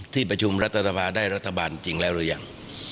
ที่ประชุมรัฐสภาได้รัฐบาลจริงแล้วหรือยัง